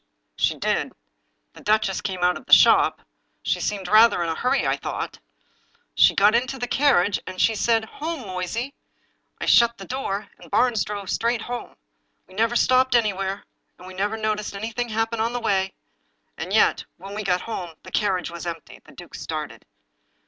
"She did. The duchess came out of the shop. She seemed rather in a hurry, I thought. She got into the car riage, and she said, 'Home, Moysey! ' I shut the door, and Barnes drove straight home. We never stopped any where, and we never noticed nothing happen on the way; and yet when we got home the carriage was empty." The duke started.